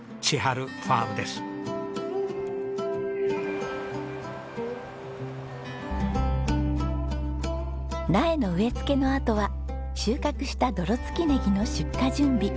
苗の植え付けのあとは収穫した泥付きネギの出荷準備。